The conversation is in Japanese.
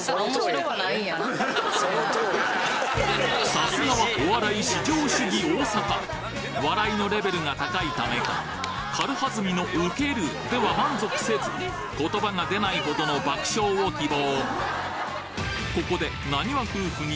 流石はお笑い至上主義大阪笑いのレベルが高いためか軽はずみのウケるでは満足せず言葉が出ないほどの爆笑を希望